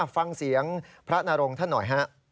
ฟังเสียงพระนรงท่านหน่อยฮะ